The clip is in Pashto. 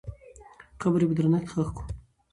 قبر یې په درنښت ښخ سو.